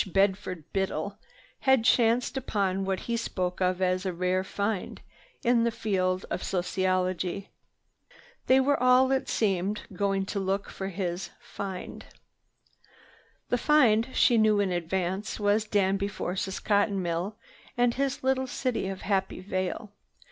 Bedford Biddle had chanced upon what he spoke of as a "rare find" in the field of sociology. They were all, it seemed, going for a look at his "find." The "find," she knew in advance, was Danby Force's cotton mill and his little city of Happy Vale.